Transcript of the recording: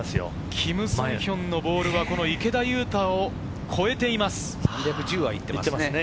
キム・ソンヒョンのボールは池田勇太を超えています。